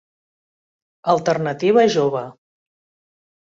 Alternativa Jove.